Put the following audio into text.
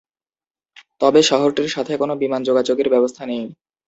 তবে শহরটির সাথে কোন বিমান যোগাযোগের ব্যবস্থা নেই।